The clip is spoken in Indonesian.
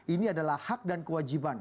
ini adalah hak dan kewajiban